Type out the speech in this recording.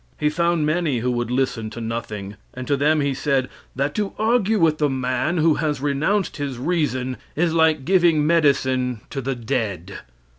"' He found many who would listen to nothing, and to them he said: "That to argue with a man who has renounced his reason is like giving medicine to the dead."